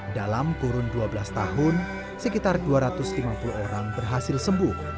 dalam kurun dua belas tahun sekitar dua ratus lima puluh orang berhasil sembuh